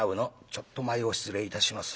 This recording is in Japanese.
「ちょっと前を失礼いたします。